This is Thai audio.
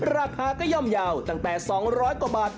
ราคาก็ย่อมเยาว์ตั้งแต่๒๐๐กว่าบาท